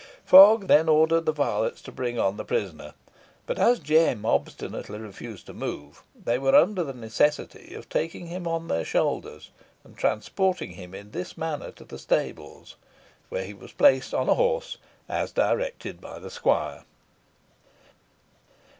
Fogg then ordered the varlets to bring on the prisoner; but as Jem obstinately refused to move, they were under the necessity of taking him on their shoulders, and transporting him in this manner to the stables, where he was placed on a horse, as directed by the squire.